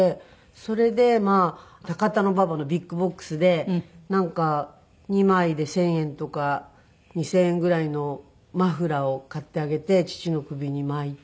それで高田馬場のＢＩＧＢＯＸでなんか２枚で１０００円とか２０００円ぐらいのマフラーを買ってあげて父の首に巻いて。